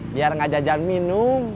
biar gak jajan minum